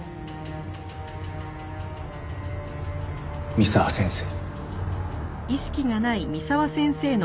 三沢先生。